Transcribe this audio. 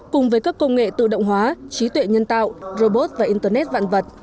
cùng với các công nghệ tự động hóa trí tuệ nhân tạo robot và internet vạn vật